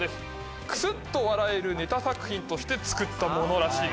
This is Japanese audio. クスっと笑えるネタ作品で作ったものらしいです。